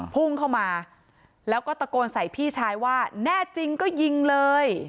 พุ่งเข้ามาแล้วก็ตะโกนใส่พี่ชายว่าแน่จริงก็ยิงเลย